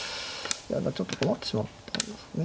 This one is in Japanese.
ちょっと困ってしまったんですよね。